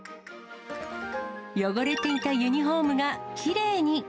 汚れていたユニホームがきれいに。